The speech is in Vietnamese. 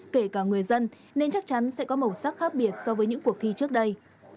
kể cả người dân nên chắc chắn sẽ có màu sắc khác biệt so với những cuộc thi trước đây